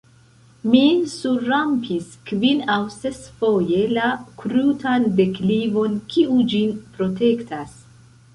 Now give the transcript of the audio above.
Mi surrampis kvin- aŭ ses-foje la krutan deklivon, kiu ĝin protektas.